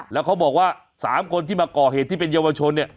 แล้วเขาบอกว่า๓คนที่มาก่อเหตุที่เป็นเยาวชนเนี่ย